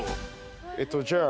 「えっとじゃあ」